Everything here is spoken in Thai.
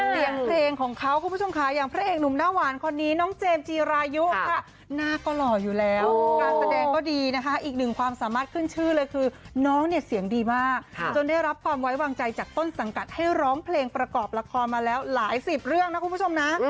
เสียงเพลงของเขาคุณผู้ชมค่ะอย่างพระเอกหนุ่มหน้าหวานคนนี้น้องเจมส์จีรายุค่ะหน้าก็หล่ออยู่แล้วการแสดงก็ดีนะคะอีกหนึ่งความสามารถขึ้นชื่อเลยคือน้องเนี่ยเสียงดีมากจนได้รับความไว้วางใจจากต้นสังกัดให้ร้องเพลงประกอบละครมาแล้วหลายสิบเรื่องนะคุณผู้ชมนะ